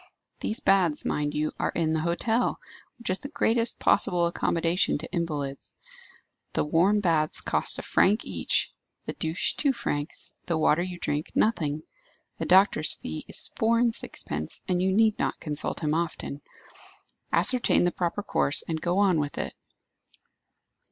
These baths, mind you, are in the hotel, which is the greatest possible accommodation to invalids; the warm baths cost a franc each, the douche two francs, the water you drink, nothing. The doctor's fee is four and sixpence, and you need not consult him often. Ascertain the proper course, and go on with it."